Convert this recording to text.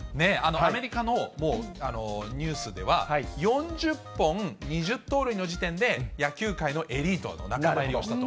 アメリカのニュースでは、４０本、２０盗塁の時点で、野球界のエリートの仲間入りをしたと。